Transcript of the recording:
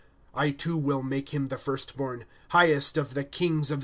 2'' I too will make him the firstborn. Highest of the kings of the earth. V.